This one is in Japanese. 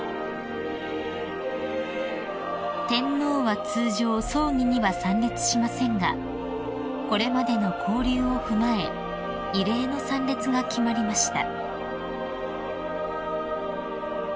［天皇は通常葬儀には参列しませんがこれまでの交流を踏まえ異例の参列が決まりました］